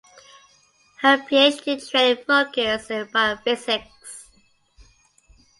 Her PhD training focused in Biophysics.